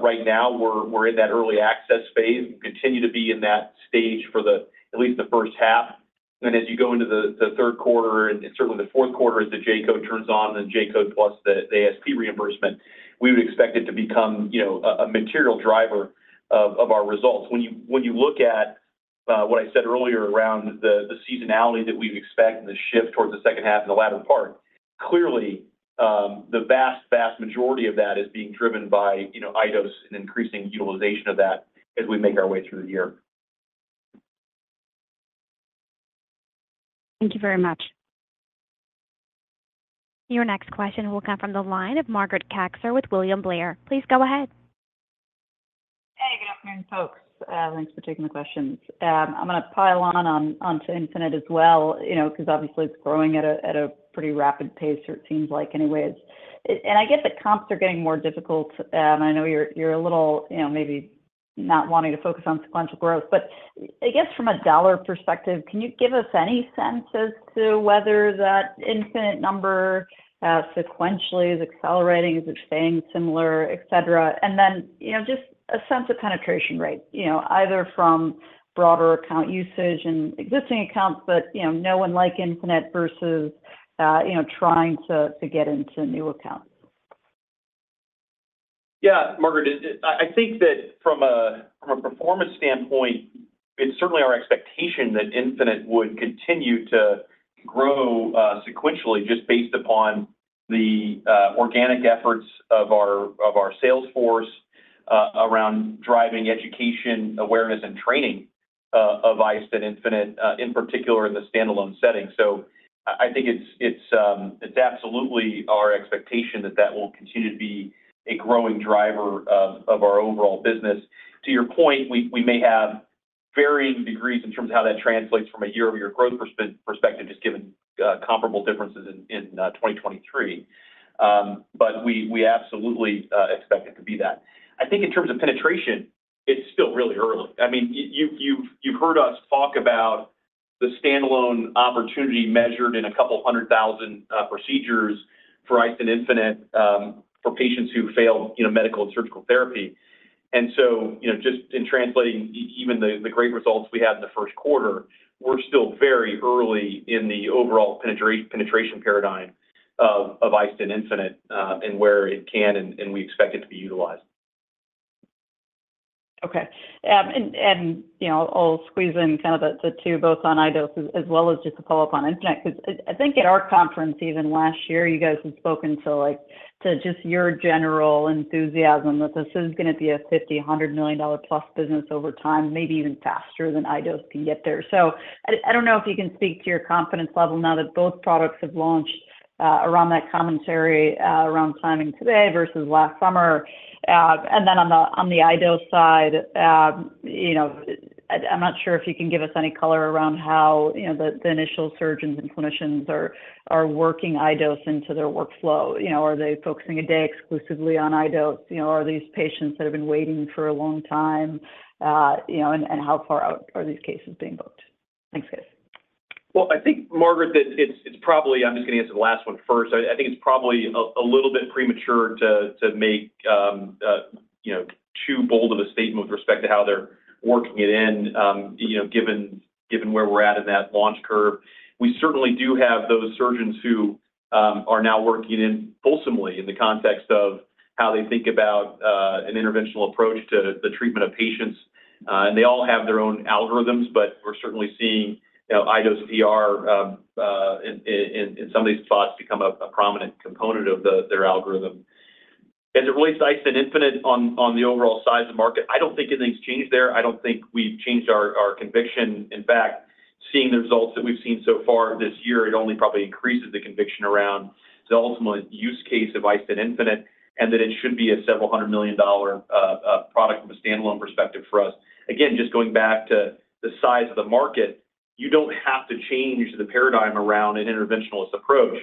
right now, we're in that early access phase. We continue to be in that stage for at least the first half. Then as you go into the third quarter and certainly the fourth quarter as the J-code turns on and the J-code plus the ASP reimbursement, we would expect it to become a material driver of our results. When you look at what I said earlier around the seasonality that we expect and the shift towards the second half and the latter part, clearly, the vast, vast majority of that is being driven by iDose and increasing utilization of that as we make our way through the year. Thank you very much. Your next question will come from the line of Margaret Kaczor with William Blair. Please go ahead. Hey. Good afternoon, folks. Thanks for taking the questions. I'm going to pile on onto infinite as well because obviously, it's growing at a pretty rapid pace, it seems like anyways. I guess the comps are getting more difficult. I know you're a little maybe not wanting to focus on sequential growth. But I guess from a dollar perspective, can you give us any sense as to whether that infinite number sequentially is accelerating? Is it staying similar, etc.? And then just a sense of penetration rate, either from broader account usage and existing accounts, but no one like infinite versus trying to get into new accounts. Yeah, Margaret. I think that from a performance standpoint, it's certainly our expectation that iStent infinite would continue to grow sequentially just based upon the organic efforts of our sales force around driving education, awareness, and training of iStent infinite, in particular, in the standalone setting. So I think it's absolutely our expectation that that will continue to be a growing driver of our overall business. To your point, we may have varying degrees in terms of how that translates from a year-over-year growth perspective, just given comparable differences in 2023. But we absolutely expect it to be that. I think in terms of penetration, it's still really early. I mean, you've heard us talk about the standalone opportunity measured in 200,000 procedures for iStent infinite for patients who failed medical and surgical therapy. And so just in translating even the great results we had in the first quarter, we're still very early in the overall penetration paradigm of iStent infinite and where it can and we expect it to be utilized. Okay. And I'll squeeze in kind of the two both on iDose as well as just a follow-up on iStent infinite because I think at our conference even last year, you guys had spoken to just your general enthusiasm that this is going to be a $50 million-$100 million-plus business over time, maybe even faster than iDose can get there. So I don't know if you can speak to your confidence level now that both products have launched around that commentary around timing today versus last summer. And then on the iDose side, I'm not sure if you can give us any color around how the initial surgeons and clinicians are working iDose into their workflow. Are they focusing a day exclusively on iDose? Are these patients that have been waiting for a long time? And how far out are these cases being booked? Thanks, guys. Well, I think, Margaret, that it's probably—I'm just going to answer the last one first. I think it's probably a little bit premature to make too bold of a statement with respect to how they're working it in, given where we're at in that launch curve. We certainly do have those surgeons who are now working it in fully in the context of how they think about an interventional approach to the treatment of patients. And they all have their own algorithms. But we're certainly seeing iDose in some of these spots become a prominent component of their algorithm. As it relates to iStent infinite on the overall size of market, I don't think anything's changed there. I don't think we've changed our conviction. In fact, seeing the results that we've seen so far this year, it only probably increases the conviction around the ultimate use case of iStent infinite and that it should be a several hundred million-dollar product from a standalone perspective for us. Again, just going back to the size of the market, you don't have to change the paradigm around an interventionalist approach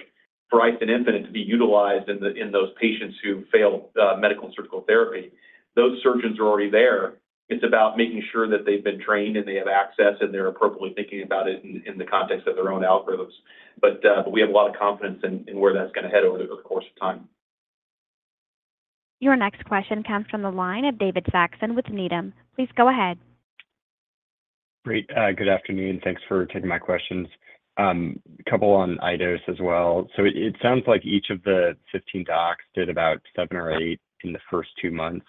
for iStent infinite to be utilized in those patients who fail medical and surgical therapy. Those surgeons are already there. It's about making sure that they've been trained and they have access and they're appropriately thinking about it in the context of their own algorithms. But we have a lot of confidence in where that's going to head over the course of time. Your next question comes from the line of David Saxon with Needham. Please go ahead. Great. Good afternoon. Thanks for taking my questions. A couple on iDose as well. So it sounds like each of the 15 docs did about seven or eight in the first two months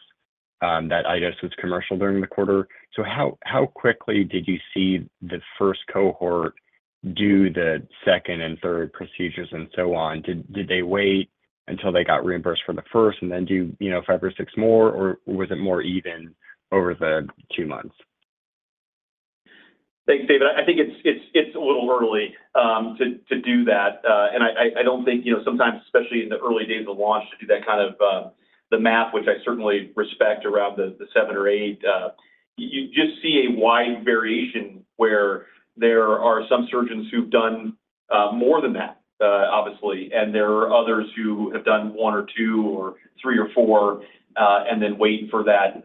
that iDose was commercial during the quarter. So how quickly did you see the first cohort do the second and third procedures and so on? Did they wait until they got reimbursed for the first, and then do five or six more? Or was it more even over the two months? Thanks, David. I think it's a little early to do that. I don't think sometimes, especially in the early days of launch, to do that kind of the math, which I certainly respect around the seven or eight. You just see a wide variation where there are some surgeons who've done more than that, obviously. There are others who have done one or two or three or four and then wait for that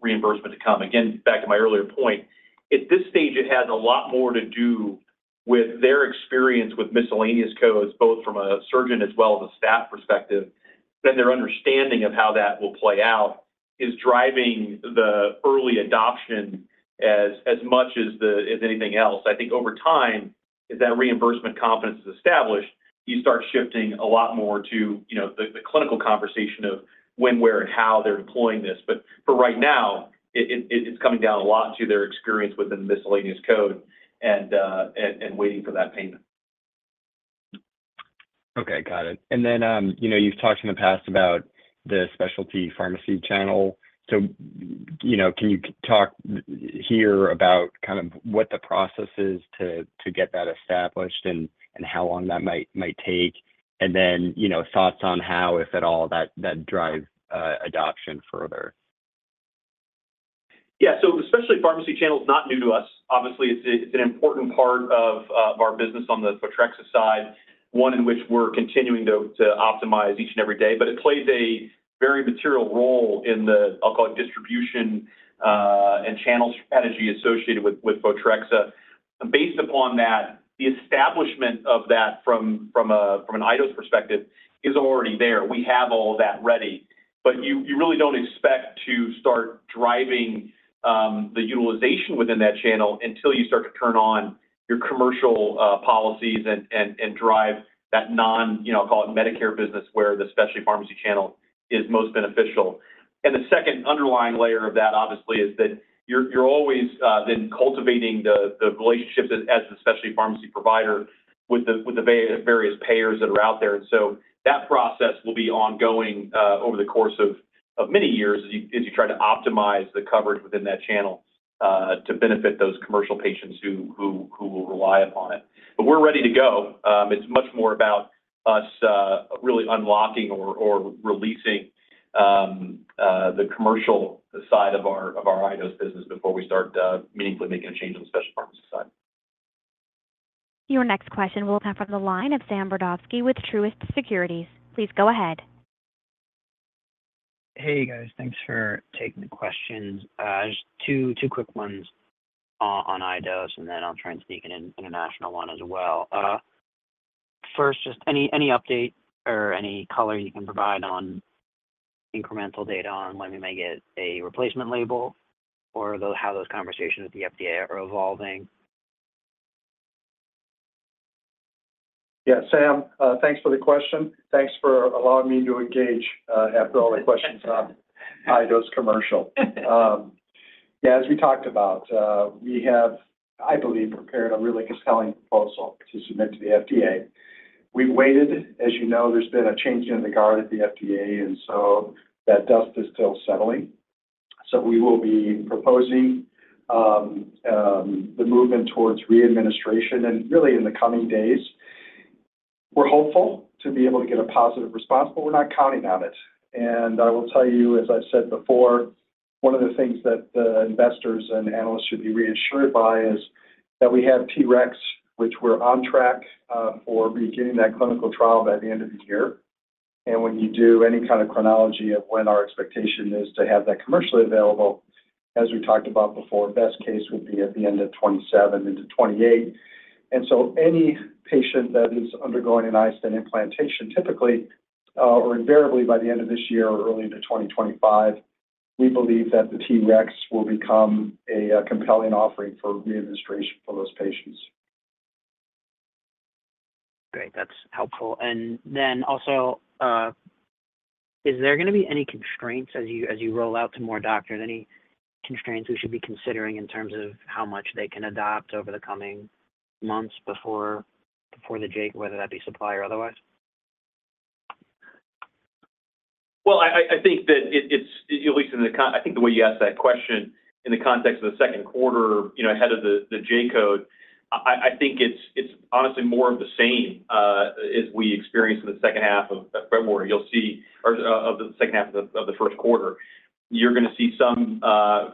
reimbursement to come. Again, back to my earlier point, at this stage, it has a lot more to do with their experience with miscellaneous codes, both from a surgeon as well as a staff perspective. Their understanding of how that will play out is driving the early adoption as much as anything else. I think over time, as that reimbursement confidence is established, you start shifting a lot more to the clinical conversation of when, where, and how they're deploying this. But for right now, it's coming down a lot to their experience within the miscellaneous code and waiting for that payment. Okay. Got it. And then you've talked in the past about the specialty pharmacy channel. So can you talk here about kind of what the process is to get that established and how long that might take? And then thoughts on how, if at all, that drives adoption further? Yeah. So the specialty pharmacy channel is not new to us. Obviously, it's an important part of our business on the Photrexa side, one in which we're continuing to optimize each and every day. But it plays a very material role in the, I'll call it, distribution and channel strategy associated with Photrexa. Based upon that, the establishment of that from an iDose perspective is already there. We have all that ready. But you really don't expect to start driving the utilization within that channel until you start to turn on your commercial policies and drive that non, I'll call it, Medicare business where the specialty pharmacy channel is most beneficial. And the second underlying layer of that, obviously, is that you're always then cultivating the relationships as the specialty pharmacy provider with the various payers that are out there. That process will be ongoing over the course of many years as you try to optimize the coverage within that channel to benefit those commercial patients who will rely upon it. We're ready to go. It's much more about us really unlocking or releasing the commercial side of our iDose business before we start meaningfully making a change on the specialty pharmacy side. Your next question will come from the line of Sam Brodovsky with Truist Securities. Please go ahead. Hey, guys. Thanks for taking the questions. Just two quick ones on iDose, and then I'll try and sneak in an international one as well. First, just any update or any color you can provide on incremental data on when we may get a replacement label or how those conversations with the FDA are evolving? Yeah. Sam, thanks for the question. Thanks for allowing me to engage after all the questions on iDose commercial. Yeah. As we talked about, we have, I believe, prepared a really compelling proposal to submit to the FDA. We've waited. As you know, there's been a change in the guard at the FDA, and so that dust is still settling. So we will be proposing the movement towards re-administration and really in the coming days. We're hopeful to be able to get a positive response, but we're not counting on it. And I will tell you, as I've said before, one of the things that the investors and analysts should be reassured by is that we have TREX, which we're on track for beginning that clinical trial by the end of the year. When you do any kind of chronology of when our expectation is to have that commercially available, as we talked about before, best case would be at the end of 2027 into 2028. And so any patient that is undergoing an iStent implantation, typically or invariably by the end of this year or early into 2025, we believe that the TREX will become a compelling offering for re-administration for those patients. Great. That's helpful. And then also, is there going to be any constraints as you roll out to more doctors? Any constraints we should be considering in terms of how much they can adopt over the coming months before the J-code, whether that be supply or otherwise? Well, I think that it's at least in the—I think the way you asked that question, in the context of the second quarter ahead of the J-code, I think it's honestly more of the same as we experienced in the second half of February or the second half of the first quarter. You're going to see some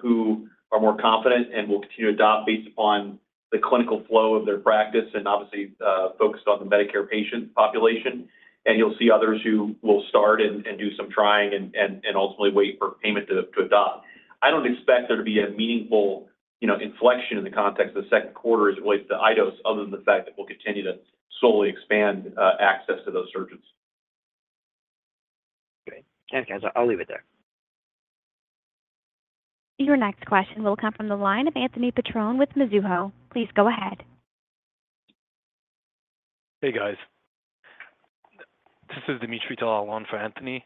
who are more confident and will continue to adopt based upon the clinical flow of their practice and obviously focused on the Medicare patient population. And you'll see others who will start and do some trying and ultimately wait for payment to adopt. I don't expect there to be a meaningful inflection in the context of the second quarter as it relates to iDose other than the fact that we'll continue to slowly expand access to those surgeons. Great. Thanks, guys. I'll leave it there. Your next question will come from the line of Anthony Petrone with Mizuho. Please go ahead. Hey, guys. This is Dimitri Tahal for Anthony.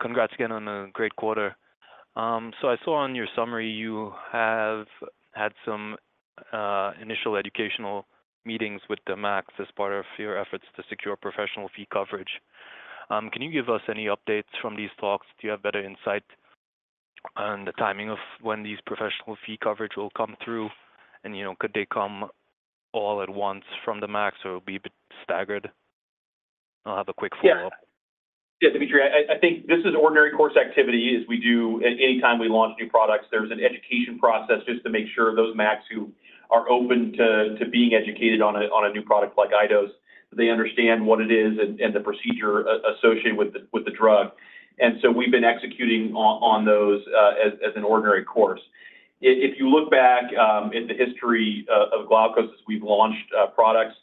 Congrats again on a great quarter. So I saw on your summary you have had some initial educational meetings with the MACs as part of your efforts to secure professional fee coverage. Can you give us any updates from these talks? Do you have better insight on the timing of when these professional fee coverage will come through? And could they come all at once from the MACs, or it'll be staggered? I'll have a quick follow-up. Yeah. Yeah, Dimitri. I think this is ordinary course activity. Anytime we launch new products, there's an education process just to make sure those MACs who are open to being educated on a new product like iDose, that they understand what it is and the procedure associated with the drug. And so we've been executing on those as an ordinary course. If you look back at the history of Glaukos as we've launched products,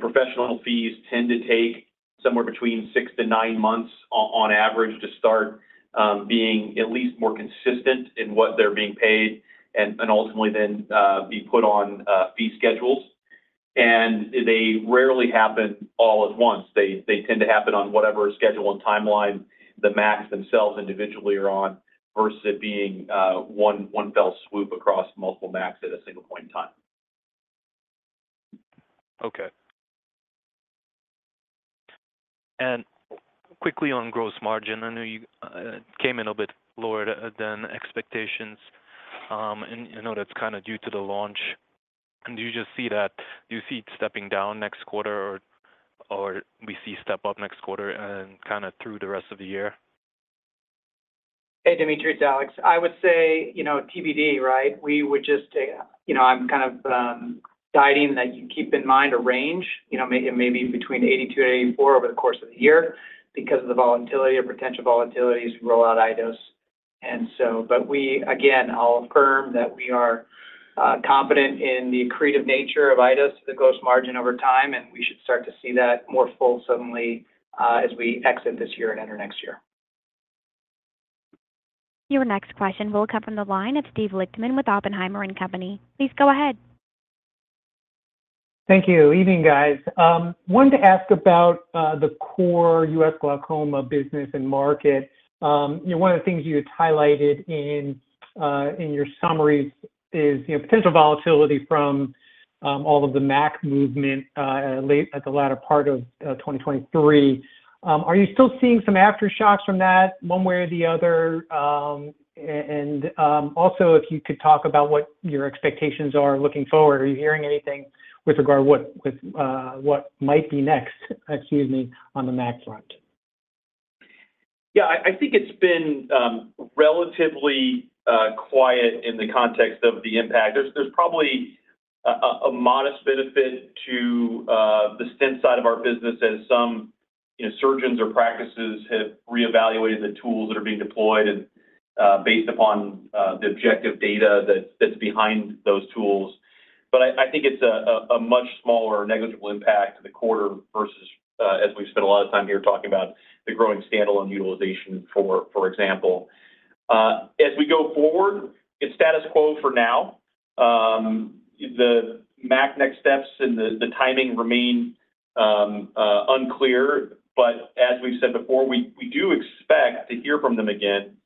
professional fees tend to take somewhere between six to nine months on average to start being at least more consistent in what they're being paid and ultimately then be put on fee schedules. And they rarely happen all at once. They tend to happen on whatever schedule and timeline the MACs themselves individually are on versus it being one fell swoop across multiple MACs at a single point in time. Okay. Quickly on gross margin, I know you came in a bit lower than expectations. I know that's kind of due to the launch. Do you see it stepping down next quarter, or we see step up next quarter and kind of through the rest of the year? Hey, Dimitri. It's Alex. I would say TBD, right? We would just—I'm kind of guiding that you keep in mind a range, maybe between 82 and 84 over the course of the year because of the volatility or potential volatilities to roll out iDose. But again, I'll affirm that we are confident in the accretive nature of iDose to the gross margin over time. And we should start to see that more fulsomely as we exit this year and enter next year. Your next question will come from the line of Steve Lichtman with Oppenheimer & Company. Please go ahead. Thank you. Evening, guys. I wanted to ask about the core U.S. glaucoma business and market. One of the things you had highlighted in your summaries is potential volatility from all of the MAC movement at the latter part of 2023. Are you still seeing some aftershocks from that one way or the other? And also, if you could talk about what your expectations are looking forward, are you hearing anything with regard to what might be next, excuse me, on the MAC front? Yeah. I think it's been relatively quiet in the context of the impact. There's probably a modest benefit to the stent side of our business as some surgeons or practices have reevaluated the tools that are being deployed and based upon the objective data that's behind those tools. But I think it's a much smaller or negligible impact to the quarter versus as we've spent a lot of time here talking about the growing standalone utilization, for example. As we go forward, it's status quo for now. The MAC next steps and the timing remain unclear. But as we've said before, we do expect to hear from them again.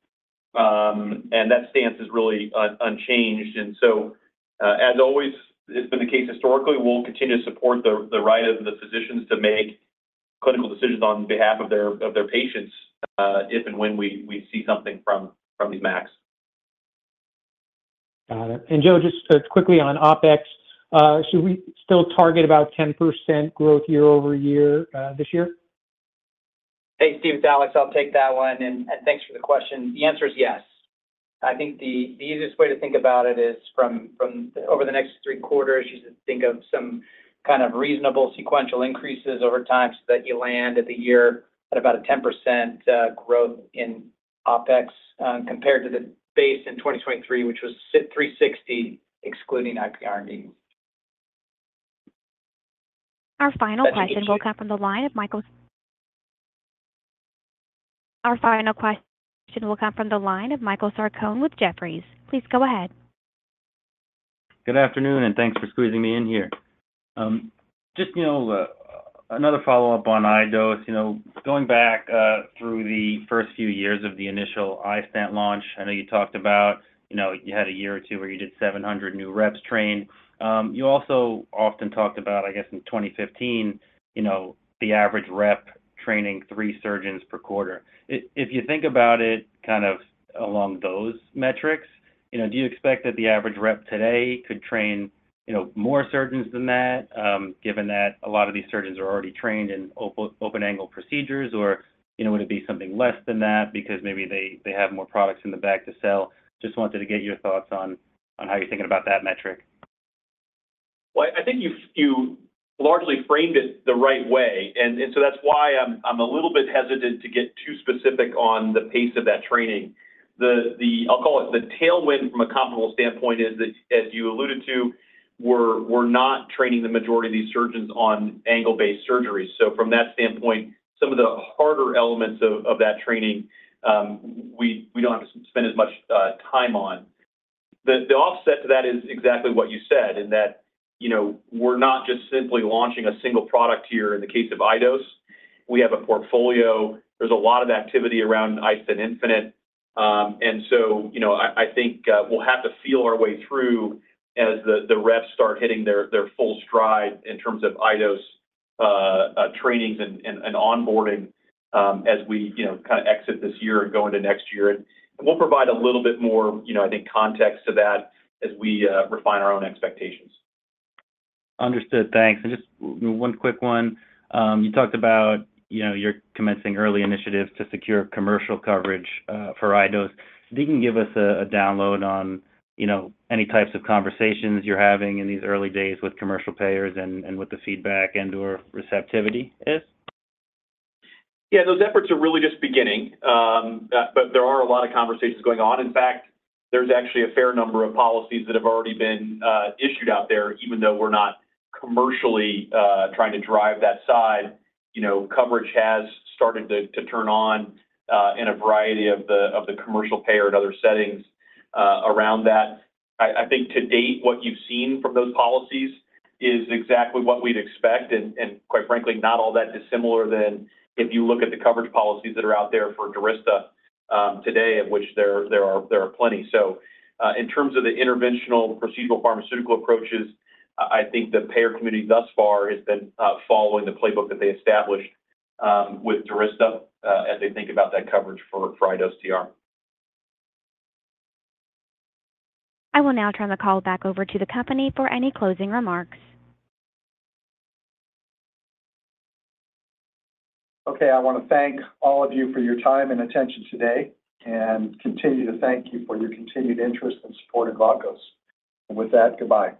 And that stance is really unchanged. And so as always, it's been the case historically. We'll continue to support the right of the physicians to make clinical decisions on behalf of their patients if and when we see something from these MACs. Got it. Joe, just quickly on OpEx, should we still target about 10% growth year-over-year this year? Hey, Steve. It's Alex. I'll take that one. Thanks for the question. The answer is yes. I think the easiest way to think about it is over the next three quarters, you should think of some kind of reasonable sequential increases over time so that you land at the year at about a 10% growth in OpEx compared to the base in 2023, which was $360 million excluding IPR7. Our final question will come from the line of Michael. Our final question will come from the line of Michael Sarcone with Jefferies. Please go ahead. Good afternoon, and thanks for squeezing me in here. Just another follow-up on iDose. Going back through the first few years of the initial iStent launch, I know you talked about you had a year or two where you did 700 new reps train. You also often talked about, I guess, in 2015, the average rep training three surgeons per quarter. If you think about it kind of along those metrics, do you expect that the average rep today could train more surgeons than that given that a lot of these surgeons are already trained in open-angle procedures, or would it be something less than that because maybe they have more products in the back to sell? Just wanted to get your thoughts on how you're thinking about that metric. Well, I think you largely framed it the right way. So that's why I'm a little bit hesitant to get too specific on the pace of that training. I'll call it the tailwind from a comparable standpoint is that, as you alluded to, we're not training the majority of these surgeons on angle-based surgeries. So from that standpoint, some of the harder elements of that training, we don't have to spend as much time on. The offset to that is exactly what you said in that we're not just simply launching a single product here in the case of iDose. We have a portfolio. There's a lot of activity around iStent infinite. And so I think we'll have to feel our way through as the reps start hitting their full stride in terms of iDose trainings and onboarding as we kind of exit this year and go into next year. And we'll provide a little bit more, I think, context to that as we refine our own expectations. Understood. Thanks. Just one quick one. You talked about you're commencing early initiatives to secure commercial coverage for iDose. If you can give us a download on any types of conversations you're having in these early days with commercial payers and what the feedback and/or receptivity is? Yeah. Those efforts are really just beginning, but there are a lot of conversations going on. In fact, there's actually a fair number of policies that have already been issued out there. Even though we're not commercially trying to drive that side, coverage has started to turn on in a variety of the commercial payer and other settings around that. I think to date, what you've seen from those policies is exactly what we'd expect. And quite frankly, not all that dissimilar than if you look at the coverage policies that are out there for Durysta today, of which there are plenty. So in terms of the interventional procedural pharmaceutical approaches, I think the payer community thus far has been following the playbook that they established with Durysta as they think about that coverage for iDose TR. I will now turn the call back over to the company for any closing remarks. Okay. I want to thank all of you for your time and attention today and continue to thank you for your continued interest and support in Glaukos. With that, goodbye.